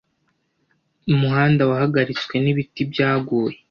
Umuhanda wahagaritswe n'ibiti byaguye.